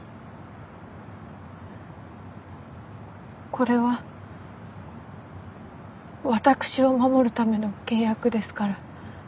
これは私を守るための契約ですから。